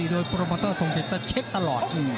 โดยโปรโมเตอร์ทรงเดชจะเช็คตลอด